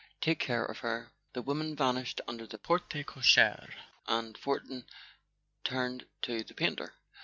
Take care of her." The women vanished under the porte cochere, and Fortin turned to the painter.